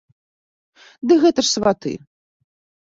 Ды гэта ж сваты!